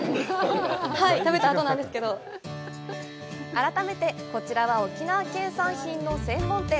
改めて、こちらは沖縄県産品の専門店。